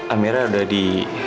amira udah di